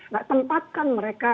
nah tempatkan mereka